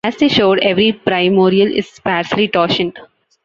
As they showed, every primorial is sparsely totient.